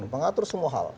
mengatur semua hal